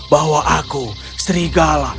bahwa aku serigala